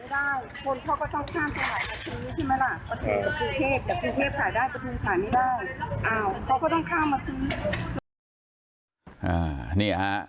แต่ขายไม่ได้มันเขาก็ต้องข้ามทาน